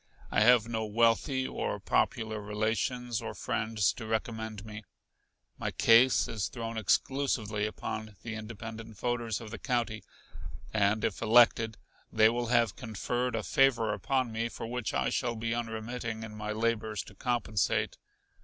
I have no wealthy or popular relations or friends to recommend me. My case is thrown exclusively upon the independent voters of the county; and if elected they will have conferred a favor upon me for which I shall be unremitting in my labors to compensate.